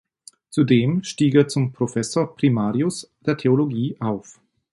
Zudem stieg er zum Professor primarius der Theologie auf.